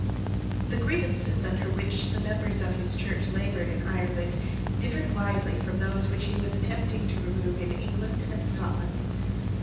The grievances under which the members of his Church laboured in Ireland differed widely from those which he was attempting to remove in England and Scotland.